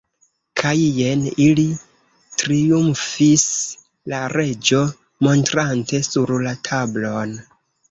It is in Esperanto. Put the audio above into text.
"Kaj jen ili," triumfis la Reĝo, montrante sur la tablon.